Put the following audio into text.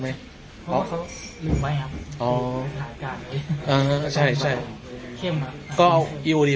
แล้วก็พาซื้อภาพอิสเลมาครั้งนี้แล้วก็อุดแก่ครั้งนี้